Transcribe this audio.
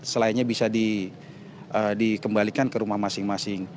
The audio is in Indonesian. selainnya bisa dikembalikan